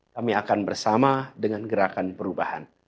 kami akan bersama dengan gerakan perubahan